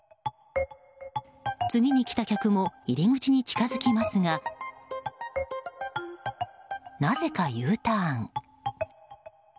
次に来た客も入り口に近づきますがなぜかＵターン。